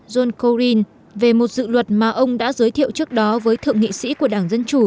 john koren về một dự luật mà ông đã giới thiệu trước đó với thượng nghị sĩ của đảng dân chủ